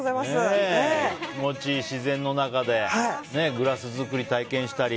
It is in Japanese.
気持ちいい自然の中でグラス作り体験したり。